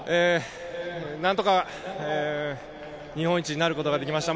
何とか、日本一になることができました。